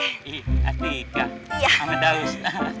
hati kek sama daus